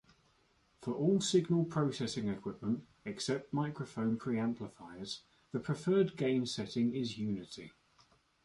For all signal processing equipment, except microphone preamplifiers, the preferred gain setting is unity.